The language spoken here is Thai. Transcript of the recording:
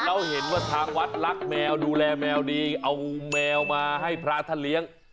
แล้วเห็นว่าทางวัดรักแมวดูแลแมวดีเอาแมวมาให้พระท่านเลี้ยง